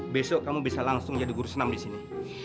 besok kamu bisa langsung jadi guru senam disini